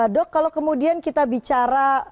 dok kalau kemudian kita bicara tentang vaksinasi